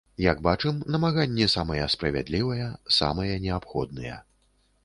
Як бачым, намаганні самыя справядлівыя, самыя неабходныя.